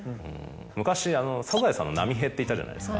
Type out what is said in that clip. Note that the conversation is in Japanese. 昔『サザエさん』の波平っていたじゃないですか。